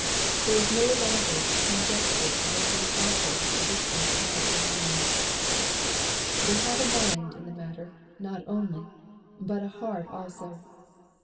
There is no longer conjecture as to the objects the victors have in mind. They have a mind in the matter, not only, but a heart also.